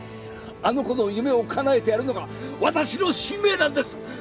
あの子の夢をかなえてやるのが私の使命なんです！